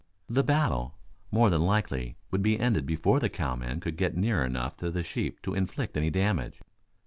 The battle, more than likely, would be ended before the cowmen could get near enough to the sheep to inflict any damage.